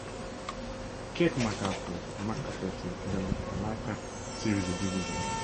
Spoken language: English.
Kate McCafferty in the Lifetime television drama series "The Division".